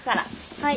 はい。